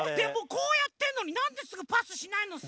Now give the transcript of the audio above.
こうやってるのになんですぐパスしないのさ？